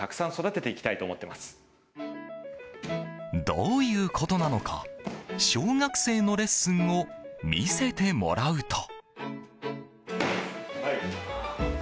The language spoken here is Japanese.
どういうことなのか小学生のレッスンを見せてもらうと。